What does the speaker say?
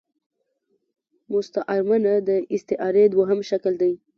مستعارمنه د ا ستعارې دوهم شکل دﺉ.